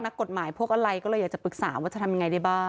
นักกฎหมายพวกอะไรก็เลยอยากจะปรึกษาว่าจะทำยังไงได้บ้าง